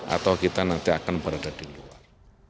atau kita nanti akan berada di luar